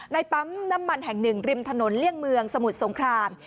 ปั๊มน้ำมันแห่งหนึ่งริมถนนเลี่ยงเมืองสมุทรสงคราม